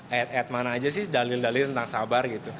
ayat ayat mana aja sih dalil dalil tentang sabar gitu